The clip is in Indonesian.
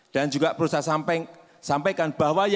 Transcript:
dan juga perlu saya sampaikan bahwa